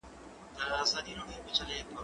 زه اوس ښوونځی ځم